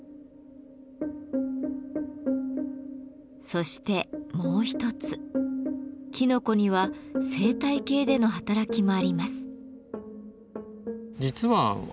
そしてもう一つきのこには生態系での働きもあります。